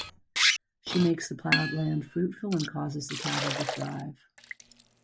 She makes the ploughed land fruitful and causes the cattle to thrive.